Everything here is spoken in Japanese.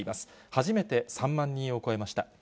初めて３万人を超えました。